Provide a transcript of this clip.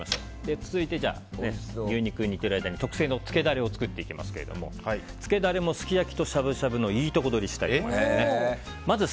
続いて、牛肉を煮ている間に特製のつけダレを作っていきますがつけダレもすき焼きとしゃぶしゃぶのいいとこ取りしたいと思います。